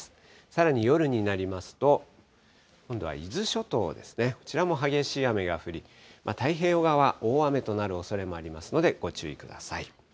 さらに夜になりますと、今度は伊豆諸島ですね、こちらも激しい雨が降り、太平洋側、大雨となるおそれもありますので、ご注意ください。